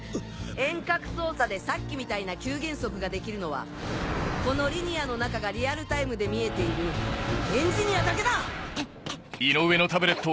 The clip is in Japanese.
遠隔操作でさっきみたいな急減速ができるのはこのリニアの中がリアルタイムで見えているエンジニアだけだ！